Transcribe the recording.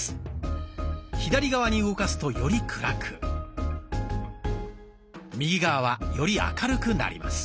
左側に動かすとより暗く右側はより明るくなります。